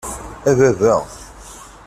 A baba!